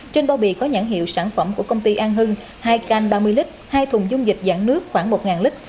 trên bao bì có nhãn hiệu sản phẩm của công ty an hưng hai can ba mươi lít hai thùng dung dịch dạng nước khoảng một lít